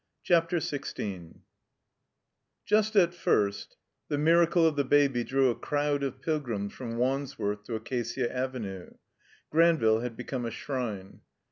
11 CHAPTER XVI JUST at first the miracle of the Baby drew a crowd of pilgrims from Wandsworth to Acacia Avenue. Granville had become a shrine.